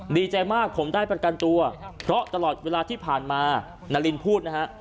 ดีใจมากผมได้ประกันตัวเพราะตลอดเวลาที่ผ่านมานารินพูดนะฮะ